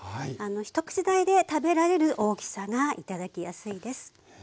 一口大で食べられる大きさが頂きやすいです。